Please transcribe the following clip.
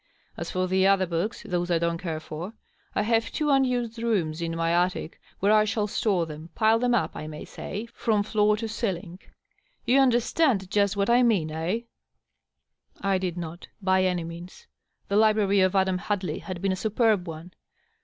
.. As for the other books — ^those I don't care for — I have two unused rooms here in m^ attic where I shall store them — pile them up, I may say, from floor to ceiling. Tou understand just what I mean, eh ?" I did not, by any means. The library of Adam Hadley had been a superb one.